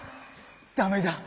ダメだ。